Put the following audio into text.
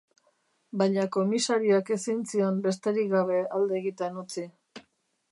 Baina komisarioak ezin zion besterik gabe alde egiten utzi.